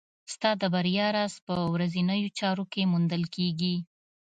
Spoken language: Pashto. ستا د بریا راز په ورځنیو چارو کې موندل کېږي.